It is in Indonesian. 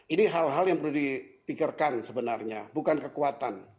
ini hal hal yang perlu dipikirkan sebenarnya bukan kekuatan